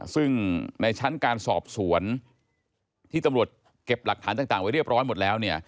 ซึ่งในชั้นการสอบสวนที่ตำรวจเก็บหลักฐานต่างไว้เรียบร้อยหมดแล้ว